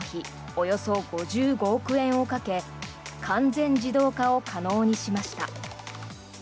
およそ５５億円をかけ完全自動化を可能にしました。